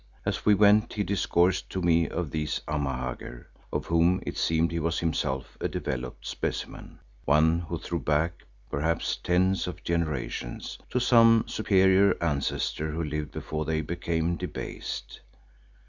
As we went he discoursed to me of these Amahagger, of whom it seemed he was himself a developed specimen, one who threw back, perhaps tens of generations, to some superior ancestor who lived before they became debased.